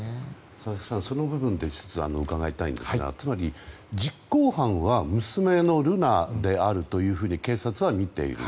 佐々木さん、その部分で１つ伺いたいんですがつまり、実行犯は娘の瑠奈容疑者であると警察はみている。